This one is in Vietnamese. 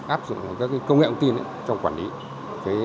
áp dụng các công nghệ công ty trong quản lý